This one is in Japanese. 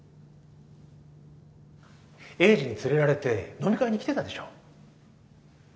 栄治に連れられて飲み会に来てたでしょ。